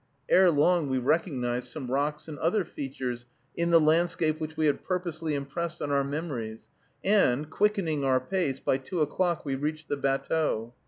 Erelong we recognized some rocks and other features in the landscape which we had purposely impressed on our memories, and, quickening our pace, by two o'clock we reached the batteau.